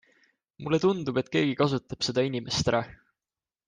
Mulle tundub, et keegi kasutab seda inimest ära.